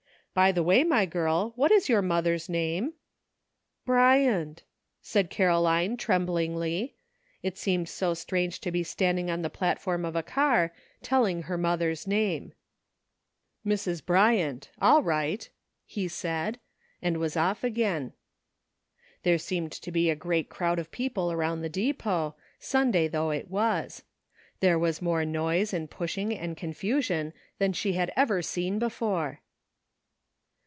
"By the way, my girl, what is your mother's name?" " Bryant," said Caroline tremblingly. It seemed so strange to be standing on the plat form of a car, telling her mother's name. " Mrs. Bryant. All right," he said, and was off again. There seemed to be a great crowd of people around the depot, Sunday though it was. There was more noise and pushing and confusion than she had ever seen before.